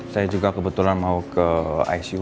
saya juga kebetulan mau ke icu